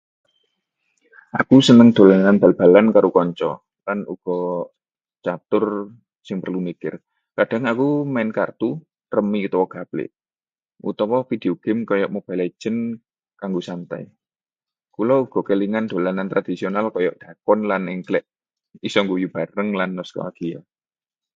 Aku seneng dolanan bal-balan karo konco, lan uga catur sing perlu mikir. Kadhang aku main kartu remi utawa gaple utawa videogame kaya Mobile Legends kanggo santai. Kula uga kelingan dolanan tradisional kaya dakon lan engklek. iso ngguyu bareng lan nostalgia.